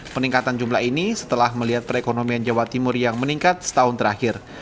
peningkatan jumlah ini setelah melihat perekonomian jawa timur yang meningkat setahun terakhir